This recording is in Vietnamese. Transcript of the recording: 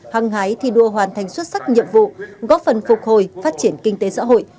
hăng hái thi đua hoàn thành xuất sắc nhiệm vụ góp phần phục hồi phát triển kinh tế xã hội